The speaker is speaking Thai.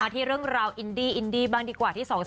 ที่เรื่องราวอินดีอินดีบ้างดีกว่าที่ส่วน